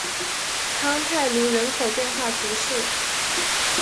康泰卢人口变化图示